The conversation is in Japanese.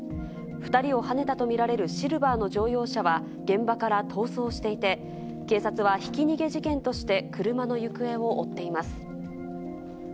２人をはねたと見られるシルバーの乗用車は現場から逃走していて、警察はひき逃げ事件として車の行方を追っています。